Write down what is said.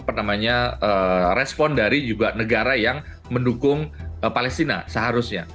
ini tentu akan seharusnya menambah respon dari juga negara yang mendukung palestina